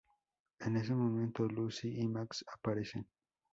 En ese momento, Lucy y Max aparecen.